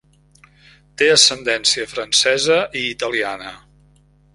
Té ascendència francesa i italiana.